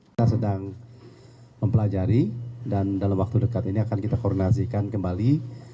kita sedang mempelajari dan dalam waktu dekat ini akan kita koordinasikan kembali